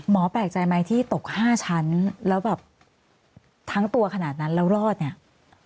หมอแปลกมายที่ตก๕ชั้นแล้วแบบทั้งตัวขนาดนั้นแล้วรอดไหม